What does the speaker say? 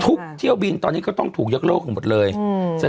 ทุกเที่ยวบินตอนนี้ก็ต้องถูกยักโลกหมดเลยอืม